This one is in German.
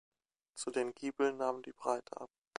Zu den Giebeln nahm die Breite ab.